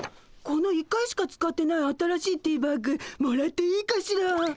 この１回しか使ってない新しいティーバッグもらっていいかしら？